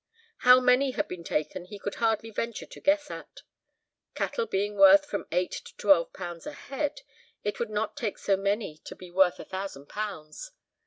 How many had been taken he could hardly venture to guess at. Cattle being worth from eight to twelve pounds a head, it would not take so many to be worth a thousand pounds.